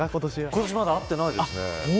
今年、まだ会ってないですね。